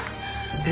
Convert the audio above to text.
え？